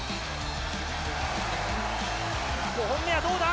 ５本目はどうだ？